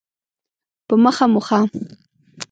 په مخه مو ښه؟